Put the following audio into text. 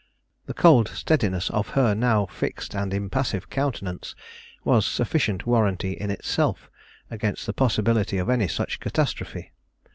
The cold steadiness of her now fixed and impassive countenance was sufficient warranty in itself against the possibility of any such catastrophe.